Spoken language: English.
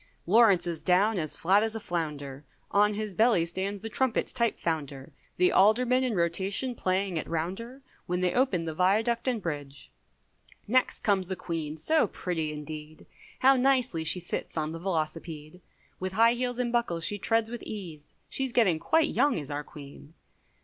Lawrence is down as flat as a flounder, On his belly stands the trumpet type founder, The Aldermen in rotation playing at rounder, When they open the Viaduct and Bridge. Next comes the Queen, so pretty indeed, How nicely she sits on the velocipede, With high heels and buckles she treads with ease, She's getting quite young is our Queen.